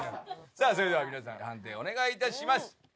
さあそれでは皆さん判定お願い致します。